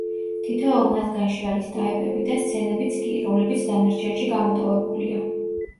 თითოეულ მათგანში არის ტაეპები და სცენებიც კი, რომლებიც დანარჩენში გამოტოვებულია.